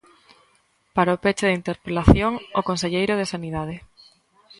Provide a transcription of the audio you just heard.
Para o peche da interpelación, o conselleiro de Sanidade.